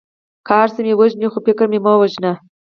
که هر څه مې وژنې خو فکر مې مه وژنه.